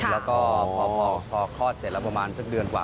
แล้วก็พอคลอดเสร็จแล้วประมาณสักเดือนกว่า